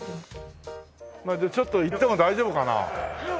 じゃあちょっと行っても大丈夫かなあ。